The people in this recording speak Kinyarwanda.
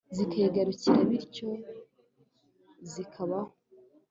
zikayigarukira bityo zikabaho